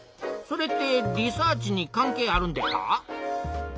それってリサーチに関係あるんでっか？